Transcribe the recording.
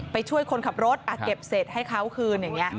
ไปช่วยคนขับรถเก็บเสร็จให้เขาคืนอย่างนี้